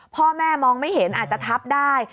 พ่อแม่มองไม่เห็นอาจจะทับได้